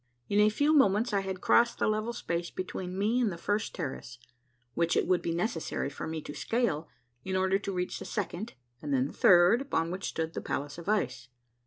In a few moments I had crossed the level space between me and the first terrace, which it would be necessary for me to scale in order to reach the second and then the third upon which stood the palace of ice.